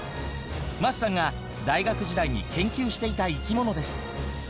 桝さんが大学時代に研究していた生き物です。